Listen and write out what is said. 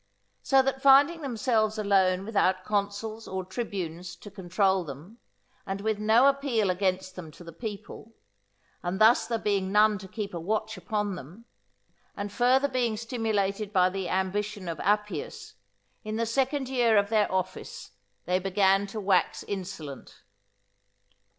So that finding themselves alone without consuls or tribunes to control them, and with no appeal against them to the people, and thus there being none to keep a watch upon them, and further being stimulated by the ambition of Appius, in the second year of their office they began to wax insolent.